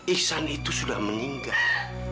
iksan itu sudah meninggal